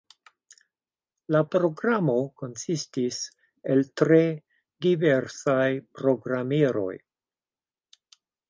La programo konsistis el tre diversaj programeroj.